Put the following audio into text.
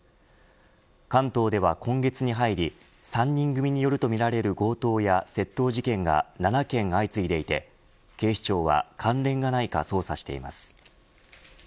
関東では今月に入り３人組によるとみられる強盗や窃盗事件が７件相次いでいて警視庁は関連がないか捜査しています。